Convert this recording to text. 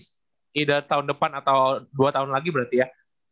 ide tahun depan atau dua tahun lagi berarti ya